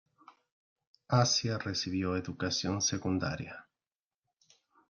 Asia recibió educación secundaria.